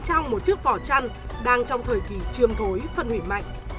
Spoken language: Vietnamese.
trong một chiếc vỏ chăn đang trong thời kỳ chiêm thối phân hủy mạnh